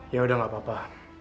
ya udah gak apa apa